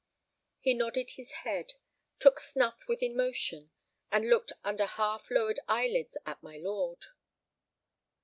He nodded his head, took snuff with emotion, and looked under half lowered eyelids at my lord.